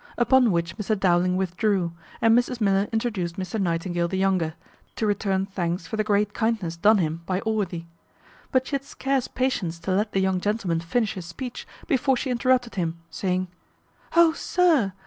Upon which Mr Dowling withdrew, and Mrs Miller introduced Mr Nightingale the younger, to return thanks for the great kindness done him by Allworthy: but she had scarce patience to let the young gentleman finish his speech before she interrupted him, saying, "O sir!